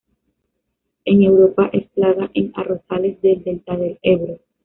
En Europa es plaga en arrozales del delta del Ebro.